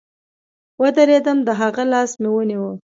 ودرېدم د هغه لاس مې ونيو.